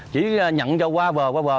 chỉ nhận cho qua vờ qua vờ